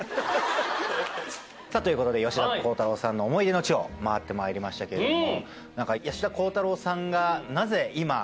さぁということで吉田鋼太郎さんの思い出の地を回ってまいりましたけれども。